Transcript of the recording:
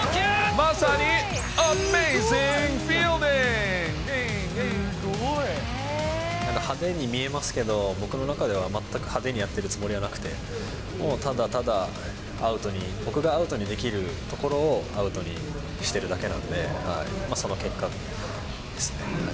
まさにアメージング・フィー派手に見えますけど、僕の中では全く派手にやってるつもりはなくて、もうただただ、アウトに、僕がアウトにできる所を、アウトにしてるだけなんで、その結果ですね。